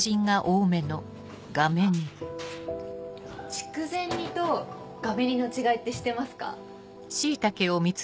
筑前煮とがめ煮の違いって知ってますか？